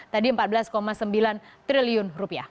tadi empat belas sembilan triliun rupiah